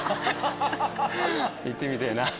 行ってみてぇな。